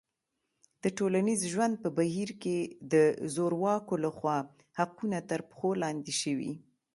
د ټولنیز ژوند په بهیر کې د زورواکو لخوا حقونه تر پښو لاندې شوي.